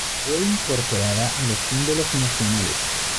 Fue incorporada a los símbolos nacionales.